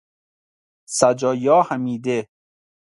سجایا حمیده